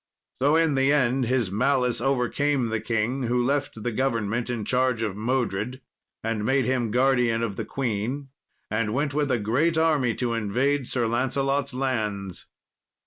So in the end his malice overcame the king, who left the government in charge of Modred, and made him guardian of the queen, and went with a great army to invade Sir Lancelot's lands.